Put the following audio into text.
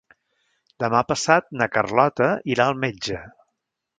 Demà passat na Carlota irà al metge.